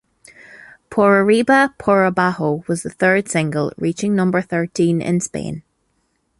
"Por Arriba, Por Abajo" was the third single, reaching number thirteen in Spain.